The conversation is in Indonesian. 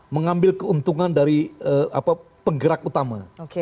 mengambil keuntungan dari penggerak utama